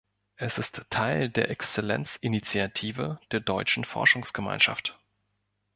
Es ist Teil der Exzellenzinitiative der Deutschen Forschungsgemeinschaft.